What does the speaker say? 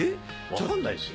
分かんないですよ。